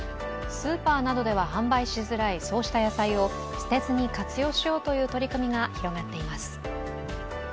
スーパーなどでは販売しづらいそうした野菜を捨てずに活用しようという取り組みが広がっています。